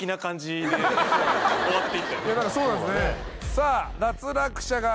さあ。